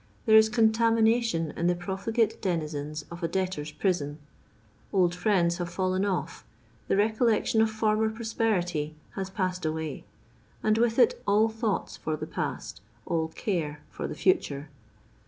There is contamination in the profligate denisens of a debtors' prison ; old friends have fidleu off; the recollection of former prosperity has passed away ; and with it all thoughu for the past, all care for the future.